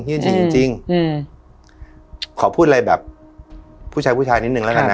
จริงจริงอืมขอพูดอะไรแบบผู้ชายผู้ชายนิดนึงแล้วกันนะ